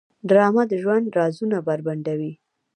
ډرامه د ژوند رازونه بربنډوي